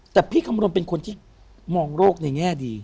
แต่พี่คำนวณเป็นคนที่มองโลกในแง่ดี